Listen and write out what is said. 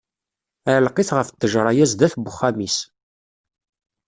Ɛelleq-it ɣer ṭejra-ya, sdat n uxxam-is.